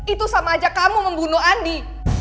itu sama aja kamu membunuh andi